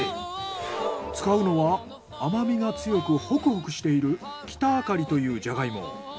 使うのは甘みが強くホクホクしているキタアカリというジャガイモ。